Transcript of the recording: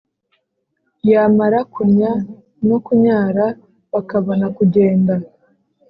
yamara kunnya no kunyara bakabona kugenda